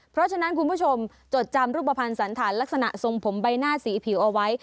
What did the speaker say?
เพราะฉะนั้นคุณผู้ชมจดจำรูปภัณฑ์สันฐานลักษณะทรงผมใบหน้าสีผิวเอาไว้